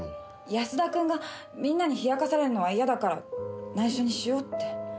安田君がみんなに冷やかされるのが嫌だから内緒にしようって。